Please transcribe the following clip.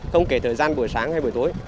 không kể thời gian buổi sáng hay buổi tối